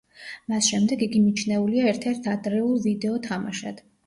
მას შემდეგ იგი მიჩნეულია ერთ-ერთ ადრეულ ვიდეო თამაშად.